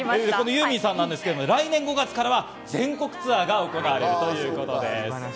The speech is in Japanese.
ユーミンさんですが、来年５月からは全国ツアーが行われるということです。